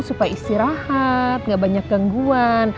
supaya istirahat gak banyak gangguan